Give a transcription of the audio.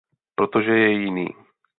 Protože je jiný.